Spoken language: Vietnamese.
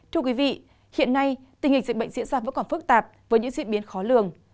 thưa quý vị hiện nay tình hình dịch bệnh diễn ra vẫn còn phức tạp với những diễn biến khó lường